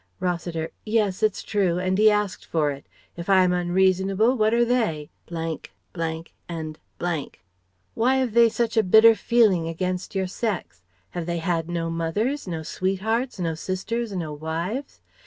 Rossiter: "Yes, it's true, and he asked for it. If I am unreasonable what are they? ,, and ? Why have they such a bitter feeling against your sex? Have they had no mothers, no sweethearts, no sisters, no wives?